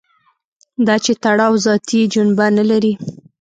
دا چې تړاو ذاتي جنبه نه لري.